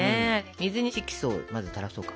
水に色素をまずたらそうか。